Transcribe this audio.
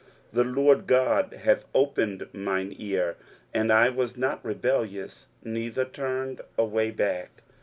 23:050:005 The Lord GOD hath opened mine ear, and I was not rebellious, neither turned away back.